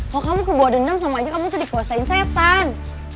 kalo kamu kebawa dendam sama aja kamu tuh dikuasain setan